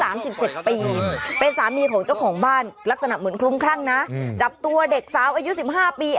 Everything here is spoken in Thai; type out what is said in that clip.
อายุ๓๗ปีเป็นสามีของเจ้าของบ้านลักษณะเหมือนคลุมคร่างนะจับตัวเด็กสาวอายุ๑๕ปี